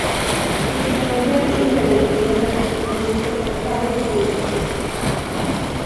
Rösten var gäll och genomträngande, men hon träffade varje ton perfekt.